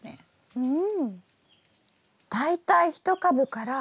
うん。